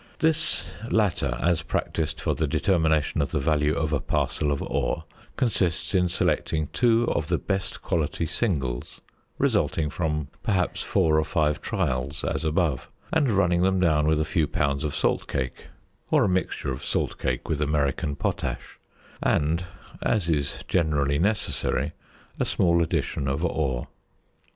This latter, as practised for the determination of the value of a parcel of ore, consists in selecting two of the best quality singles, resulting from perhaps four or five trials as above, and running them down with a few pounds of salt cake, or a mixture of salt cake with American potash, and (as is generally necessary) a small addition of ore.